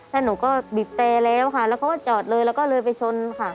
แล้วหนูก็บีบแต่แล้วค่ะแล้วเขาก็จอดเลยแล้วก็เลยไปชนค่ะ